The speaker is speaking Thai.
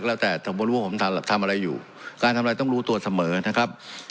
เพราะมันก็มีเท่านี้นะเพราะมันก็มีเท่านี้นะ